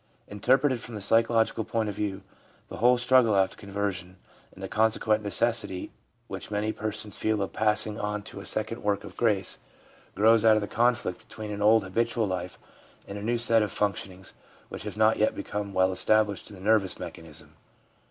Interpreted from the psychological point of view, the whole struggle after conversion, and the consequent necessity which many persons feel of passing on to a 'second work of grace/ grows out of the conflict 26 382 THE PSYCHOLOGY OF RELIGION between an old habitual life and a new set of function ings which have not yet become well established in the nervous mechanism.